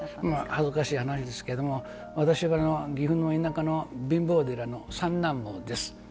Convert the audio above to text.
恥ずかしい話ですけど私は岐阜の田舎の貧乏寺の三男坊です。